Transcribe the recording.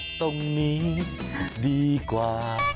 ตรงนี้ดีกว่า